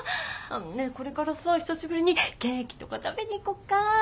ねえこれからさ久しぶりにケーキとか食べに行こっか？